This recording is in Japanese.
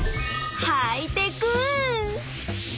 ハイテク！